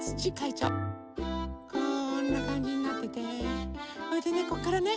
こんなかんじになっててそれでね